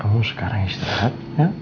kamu sekarang istirahat